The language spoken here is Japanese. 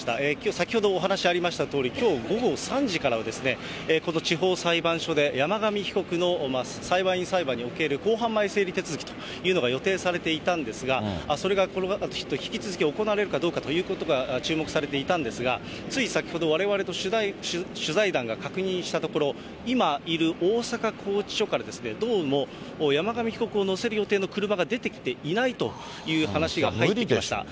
先ほどお話しありましたとおり、きょう午後３時からは、この地方裁判所で、山上被告の裁判員裁判における公判前整理手続きというのが予定されていたんですが、それが引き続き行われるかどうかということが注目されていたんですが、つい先ほど、われわれ取材団が確認したところ、今、いる大阪拘置所から、どうも山上被告を乗せる予定の車が出てきていないという話が入ってきました。